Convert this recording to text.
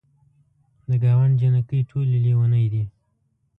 د ګاونډ جینکۍ ټولې لیونۍ دي.